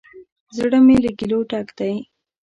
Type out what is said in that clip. زړه می له ګیلو ډک دی